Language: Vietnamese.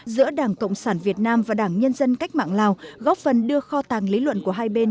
giữa đảng cộng sản việt nam và đảng nhân dân cách mạng lào góp phần đưa kho tàng lý luận của hai bên